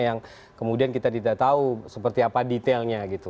yang kemudian kita tidak tahu seperti apa detailnya gitu